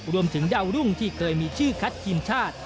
รวมถึงดาวรุ่งที่เคยมีชื่อคัดทีมชาติ